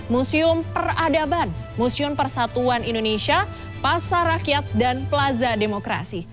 museum peradaban museum persatuan indonesia pasar rakyat dan plaza demokrasi